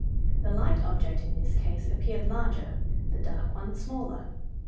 The light object in this case appeared larger, the dark one smaller.